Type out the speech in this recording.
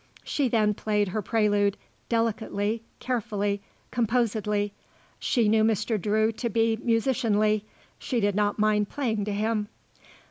She then played her prelude, delicately, carefully, composedly. She knew Mr. Drew to be musicianly; she did not mind playing to him.